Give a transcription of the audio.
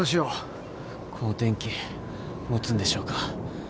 この天気持つんでしょうか。